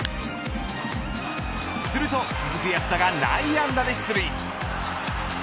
すると続く安田が内野安打で出塁。